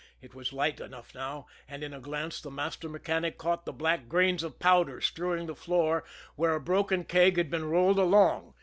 It was light enough now, and in a glance the master mechanic caught the black grains of powder strewing the floor where a broken keg had been rolled along.